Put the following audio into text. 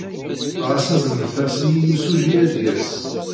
Ɣas aznemt-as i yimsujji ad d-yas.